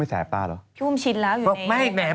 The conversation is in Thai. มันก็แบบแสงอะเวลามันมีแสง